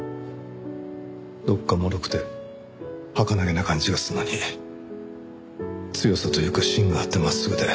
どこかもろくてはかなげな感じがするのに強さというか芯があって真っすぐで。